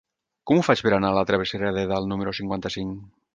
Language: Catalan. Com ho faig per anar a la travessera de Dalt número cinquanta-cinc?